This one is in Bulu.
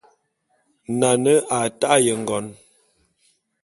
Nane a ta'e ngon.